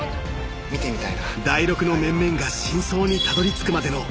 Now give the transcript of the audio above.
［ダイロクの面々が真相にたどりつくまでの］